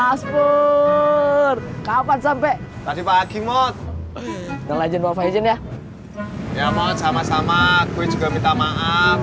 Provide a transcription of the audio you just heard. paspor kapan sampai tadi pagi mod ngelanjut wajahnya ya mau sama sama gue juga minta maaf